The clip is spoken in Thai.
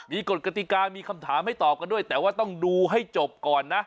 มีกฎกติกามีคำถามให้ตอบกันด้วยแต่ว่าต้องดูให้จบก่อนนะ